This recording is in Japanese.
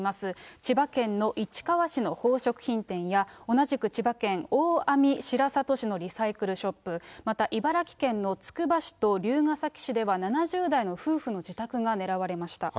千葉県の市川市の宝飾品店や、同じく千葉県大網白里市のリサイクルショップ、また茨城県のつくば市と龍ケ崎市では、７０代の夫婦の自宅が狙われました。